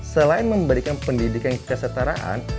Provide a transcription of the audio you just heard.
selain memberikan pendidikan kesetaraan